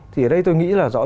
thì ở đây tôi nghĩ là rõ ràng